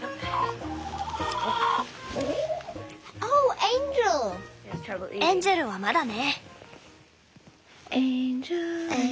エンジェルはまだね。